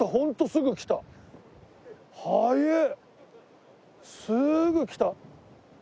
すぐきた。